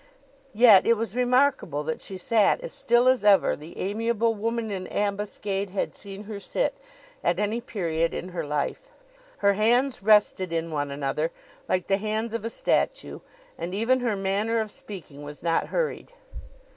Yet it was remarkable that she sat as still as ever the amiable woman in ambuscade had seen her sit, at any period in her life. Her hands rested in one another, like the hands of a statue; and even her manner of speaking was not hurried.